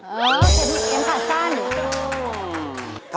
เออเสร็จเห็นขาดสั้น